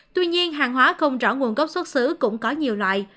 tuy nhiên hàng hóa không rõ nguồn gốc xuất xứ cũng có nhiều loại